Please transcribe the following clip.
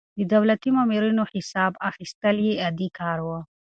د دولتي مامورينو حساب اخيستل يې عادي کار و.